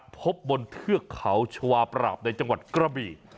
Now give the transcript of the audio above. พบบนเทือกเขาชาวาปราบในจังหวัดกระบี่